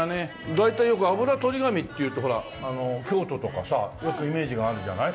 大体よくあぶらとり紙っていうとほら京都とかさよくイメージがあるじゃない？